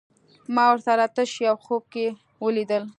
ما ورسره تش يو خوب کې وليدل